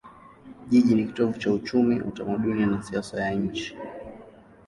Jiji ni kitovu cha uchumi, utamaduni na siasa ya nchi.